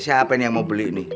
siapa ini yang mau beli ini